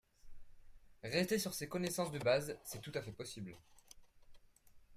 Rester sur ces connaissances de base, c'est tout à fait possible